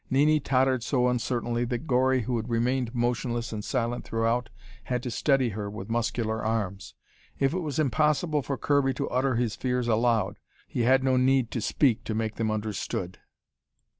Nini tottered so uncertainly that Gori, who had remained motionless and silent throughout, had to steady her with muscular arms. If it was impossible for Kirby to utter his fears aloud, he had no need to speak to make them understood.